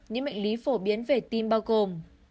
những bệnh lý phổ biến về tim bao gồm